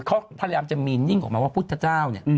เขาพยายามจะมีนนิ่งออกมาว่าพุทธเจ้าเนี่ย